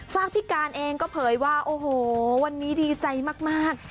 ฝากพี่การเองก็เผยว่าโอ้โหวันนี้ดีใจมาก